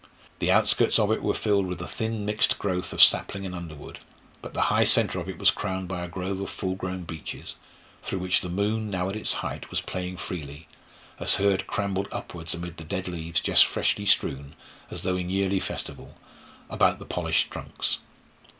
The outskirts of it were filled with a thin mixed growth of sapling and underwood, but the high centre of it was crowned by a grove of full grown beeches, through which the moon, now at its height, was playing freely, as Hurd clambered upwards amid the dead leaves just freshly strewn, as though in yearly festival, about their polished trunks.